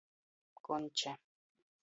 Konče.